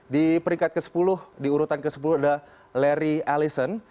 di peringkat ke sepuluh diurutan ke sepuluh ada larry ellison